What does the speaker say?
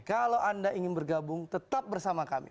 kalau anda ingin bergabung tetap bersama kami